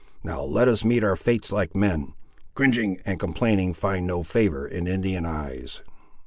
Now let us meet our fates like men. Cringing and complaining find no favour in Indian eyes."